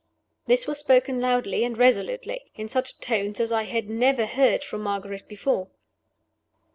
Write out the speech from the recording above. This was spoken loudly and resolutely; in such tones as I had never heard from Margaret before.